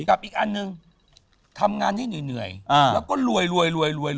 กับอีกอันหนึ่งทำงานให้เหนื่อยแล้วก็รวยรวยรวย